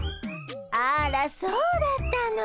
あらそうだったの。